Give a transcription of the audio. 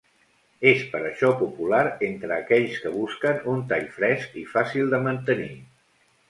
És per això popular entre aquells que busquen un tall fresc i fàcil de mantenir.